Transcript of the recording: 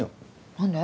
何で？